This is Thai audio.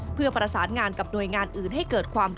ซึ่งกลางปีนี้ผลการประเมินการทำงานขององค์การมหาชนปี๒ประสิทธิภาพสูงสุด